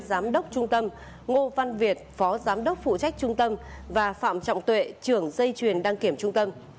giám đốc trung tâm ngô văn việt phó giám đốc phụ trách trung tâm và phạm trọng tuệ trưởng dây truyền đăng kiểm trung tâm